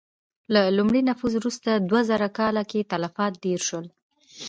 له لومړي نفوذ وروسته دوه زره کاله کې تلفات ډېر شول.